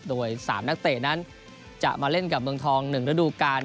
โดย๓นักเตะนั้นจะมาเล่นกับเมืองทอง๑ฤดูการ